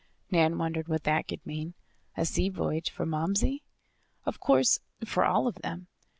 Nan wondered what that could mean. A sea voyage for Momsey? Of course, for all of them.